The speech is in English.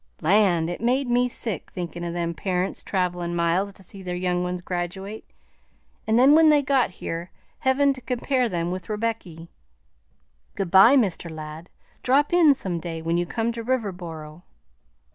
Land! it made me sick, thinkin' o' them parents travelin' miles to see their young ones graduate, and then when they got here hevin' to compare 'em with Rebecky. Good by, Mr. Ladd, drop in some day when you come to Riverboro."